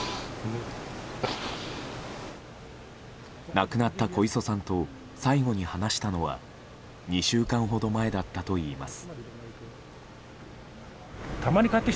亡くなった小磯さんと最後に話したのは２週間ほど前だったといいます。